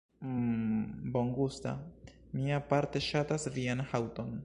Mmm, bongusta, mi aparte ŝatas vian haŭton.